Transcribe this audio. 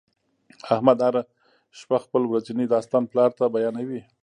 احمد هر شپه خپل ورځنی داستان پلار ته بیانوي.